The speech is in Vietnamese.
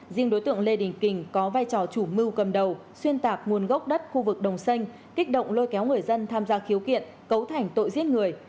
riêng đối tượng lê đình kình có vai trò chủ mưu cầm đầu xuyên tạc nguồn gốc đất khu vực đồng xanh kích động lôi kéo người dân tham gia khiếu kiện cấu thành tội giết người